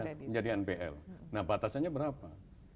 menjadi npl nah batasannya berapa